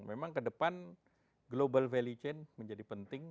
memang kedepan global value chain menjadi penting